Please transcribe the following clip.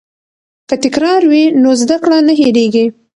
که تکرار وي نو زده کړه نه هیریږي.